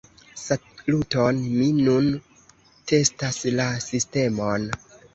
Saluton, mi nun testas la sistemon.